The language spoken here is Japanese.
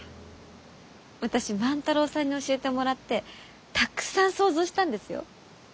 私万太郎さんに教えてもらってたくさん想像したんですよ。